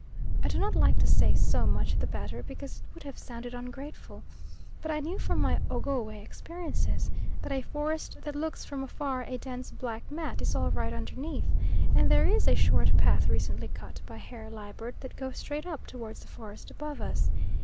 I do not like to say "so much the better," because it would have sounded ungrateful, but I knew from my Ogowe experiences that a forest that looks from afar a dense black mat is all right underneath, and there is a short path recently cut by Herr Liebert that goes straight up towards the forest above us.